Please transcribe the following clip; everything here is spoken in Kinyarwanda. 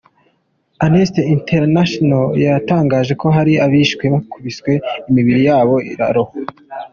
Amnesty International yo yatangaje ko hari abishwe bakubiswe, imibiri yabo irarohwa.